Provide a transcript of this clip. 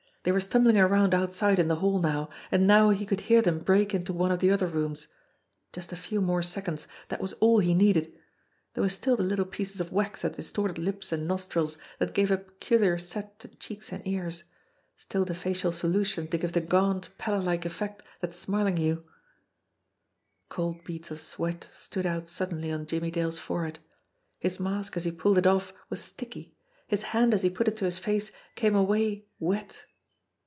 They were stumbling around outside in the hall now; and THE HOUSE WITH THE BROKEN STAIRS 99 now he could hear them break into one of the other rooms. Just a few more seconds that was all he needed. There were still the little pieces of wax that distorted lips and nos trils, that gave a peculiar set to cheeks and ears ; still the facial solution to give the gaunt, pallor like effect that Smar linghue Cold beads of sweat stood out suddenly on Jimmie Dale's forehead. His mask as he pulled it off was sticky ; his hand as he put it to his face came away wet.